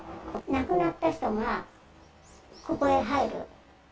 亡くなった人が、ここへ入る。